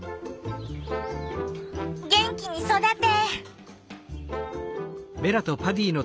元気に育て！